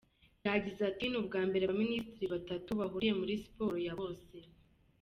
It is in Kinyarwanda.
Yagize ati "Ni ubwa mbere abaminisitiri batatu bahuriye muri siporo ya bose.